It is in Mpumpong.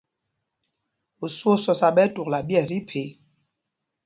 Osû ó sɔ̄sā ɓɛ́ ɛ́ tukla ɓyɛ̂ɛs tí phe.